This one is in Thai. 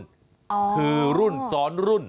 อ๋อก็คือรุ่น๒รุ่น